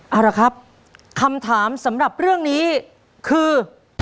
เอาละครับคำถามสำหรับเรื่องนี้คือ